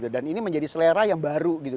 dan ini menjadi selera yang baru gitu